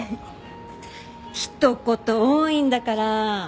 一言多いんだから。